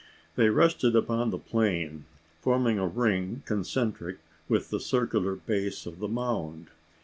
They rested upon the plain, forming a ring concentric with the circular base of the mound.